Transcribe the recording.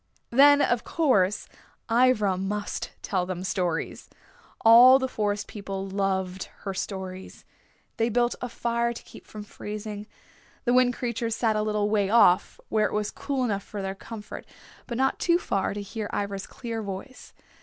Then, of course, Ivra must tell them stories. All the Forest People loved her stories. They built a fire to keep from freezing. The Wind Creatures sat a little way off where it was cool enough for their comfort, but not too far to hear Ivra's clear voice.